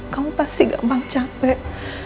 kamu pasti gampang capek